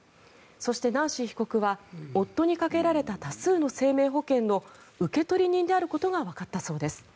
そして、ナンシー被告は夫にかけられた多数の生命保険の受取人であることがわかったそうです。